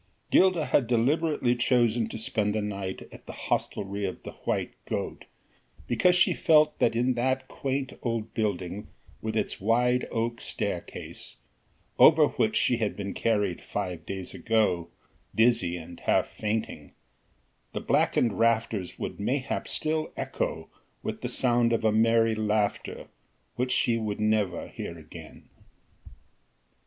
Gilda had deliberately chosen to spend the night at the hostelry of the "White Goat" because she felt that in that quaint old building with its wide oak staircase over which she had been carried five days ago, dizzy and half fainting the blackened rafters would mayhap still echo with the sound of a merry laughter which she would never hear again.